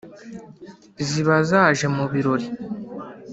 Ziba zaje mu birori,